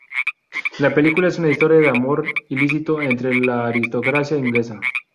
La película es una historia de amor ilícito entre la aristocracia inglesa.